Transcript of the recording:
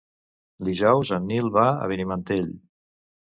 Dijous en Nil va a Benimantell.